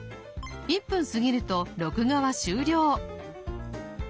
１分過ぎると録画は終了。